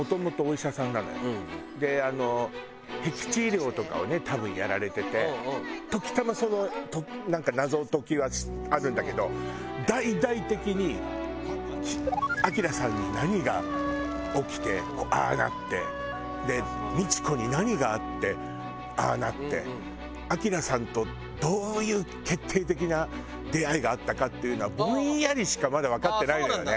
であのへき地医療とかをね多分やられてて時たまそのなんか謎解きはあるんだけど大々的に晶さんに何が起きてああなってで未知子に何があってああなって晶さんとどういう決定的な出会いがあったかっていうのはボンヤリしかまだわかってないのよね。